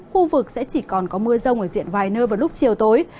khu vực sẽ chỉ còn có mưa rông ở diện vài nơi vào lúc chiều tối